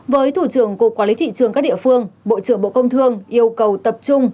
với thủ trưởng cục quản lý thị trường các địa phương bộ trưởng bộ công thương yêu cầu tập trung